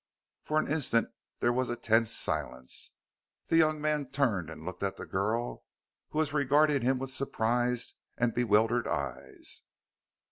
For an instant there was a tense silence. The young man turned and looked at the girl, who was regarding him with surprised and bewildered eyes.